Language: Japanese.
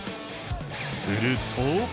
すると。